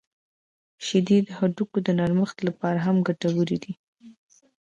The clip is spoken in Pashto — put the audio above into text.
• شیدې د هډوکو د نرمښت لپاره هم ګټورې دي.